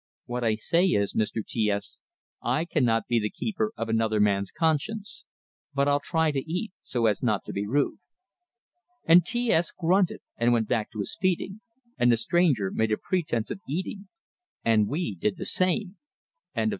"What I say is, Mr. T S, I cannot be the keeper of another man's conscience. But I'll try to eat, so as not to be rude." And T S grunted, and went back to his feeding; and the stranger made a pretense of eating, and we did the same.